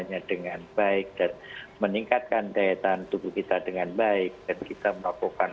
nya dengan baik dan meningkatkan daya tahan tubuh kita dengan baik dan kita melakukan